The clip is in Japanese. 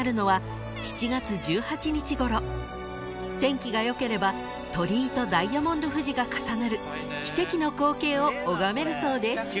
［天気が良ければ鳥居とダイヤモンド富士が重なる奇跡の光景を拝めるそうです］